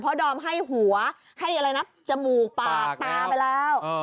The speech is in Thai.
เพราะดอมให้หัวให้อะไรนะจมูกปากตาไปแล้ว